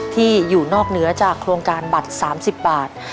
ที่อยู่นอกเหนือจากโครงการบัตร๓๐บาท